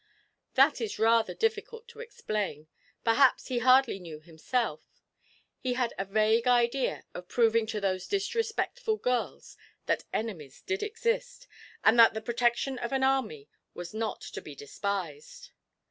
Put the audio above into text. That is rather difficult to explain perhaps he hardly knew himself; he had a vague idea of proving to those disrespectful girls that enemies did exist, and that the protection of an Army was not to be despised.